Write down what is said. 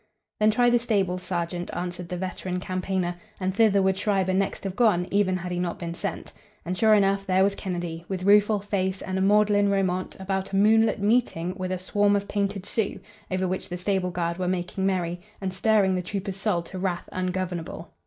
"Then try the stables, sergeant," answered the veteran campaigner, and thither would Schreiber next have gone, even had he not been sent. And, sure enough, there was Kennedy, with rueful face and a maudlin romaunt about a moonlit meeting with a swarm of painted Sioux, over which the stable guard were making merry and stirring the trooper's soul to wrath ungovernable.